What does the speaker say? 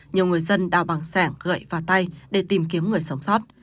nhiều người dân đào bằng sẻng gợi vào tay để tìm kiếm người sống sót